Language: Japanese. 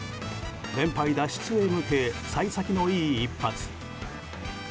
連敗脱出へ向け幸先のいい一発。